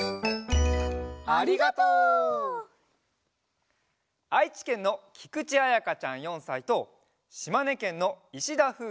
ありがとう！あいちけんのきくちあやかちゃん４さいとしまねけんのいしだふう